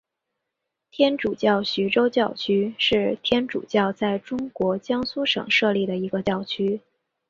天主教徐州教区是天主教在中国江苏省设立的一个教区。